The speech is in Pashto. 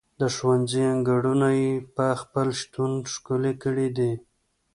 د ښوونځي انګړونه یې په خپل شتون ښکلي کړي دي.